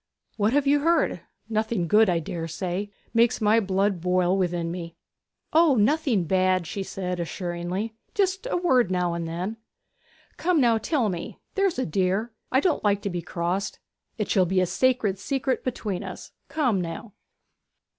'What have you heard? Nothing good, I dare say. It makes my blood boil within me!' 'O, nothing bad,' said she assuringly. 'Just a word now and then.' 'Now, come, tell me, there's a dear. I don't like to be crossed. It shall be a sacred secret between us. Come, now!'